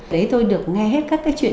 đấy tôi được nghe hết các chuyện